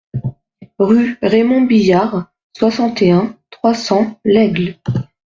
Rue Raymond Billard, soixante et un, trois cents L'Aigle